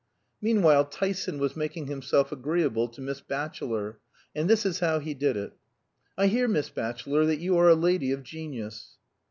Meanwhile Tyson was making himself agreeable to Miss Batchelor. And this is how he did it. "I hear, Miss Batchelor, that you are a lady of genius."